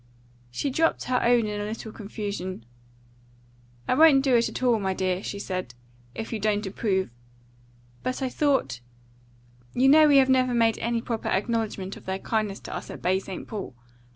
She dropped her own in a little confusion. "I won't do it at all, my dear," she said, "if you don't approve. But I thought You know we have never made any proper acknowledgment of their kindness to us at Baie St. Paul.